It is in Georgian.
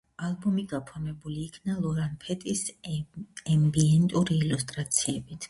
ალბომი გაფორმებული იქნა ლორან ფეტის ემბიენტური ილუსტრაციებით.